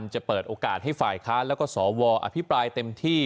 จะเปิดโอกาสให้ฝ่ายค้านแล้วก็สวอภิปรายเต็มที่